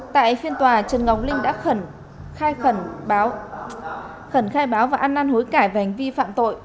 tại phiên tòa trần ngọc linh đã khẩn khai báo và ăn ăn hối cải và hành vi phạm tội